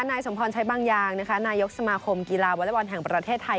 นายสมพรใช้บางอย่างนะคะนายกสมาคมกีฬาวอเล็กบอลแห่งประเทศไทย